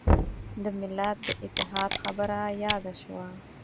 د ملت د اتحاد خبره یاده شوه.